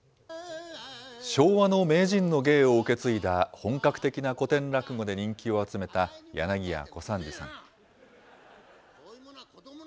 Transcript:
昭和の名人の芸を受け継いだ本格的な古典落語で人気を集めた、柳家小三治さん。